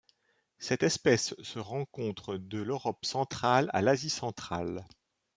Cette espèce se rencontre de l'Europe centrale à l'Asie centrale.